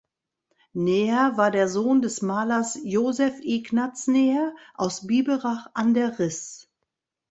Neher war der Sohn des Malers Joseph Ignaz Neher aus Biberach an der Riß.